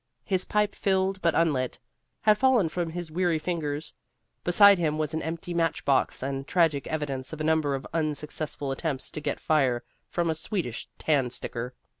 His pipe, filled but unlit, had fallen from his weary fingers; beside him was an empty match box and tragic evidence of a number of unsuccessful attempts to get fire from a Swedish tandsticker.